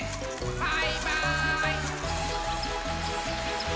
バイバーイ！